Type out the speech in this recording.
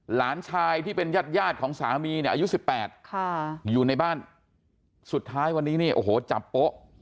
หลานชายที่เป็นญาติยาดของสามีเนี่ยอายุ๑๘อยู่ในบ้านสุดท้ายวันนี้เนี่ยโอ้โหจับโป๊ะ